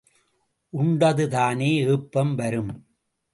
உண்டதுதானே ஏப்பம் வரும்?